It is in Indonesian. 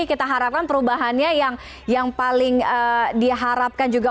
kita harapkan perubahannya yang paling diharapkan juga